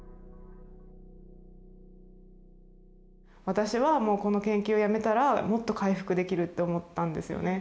私はもうこの研究をやめたらもっと回復できるって思ったんですよね。